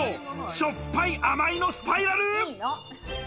しょっぱい、甘いのスパイラル！